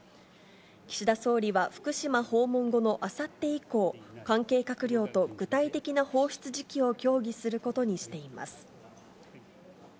岸田総理は、福島訪問後のあさって以降、関係閣僚と具体的な放出時期を協議することにしています。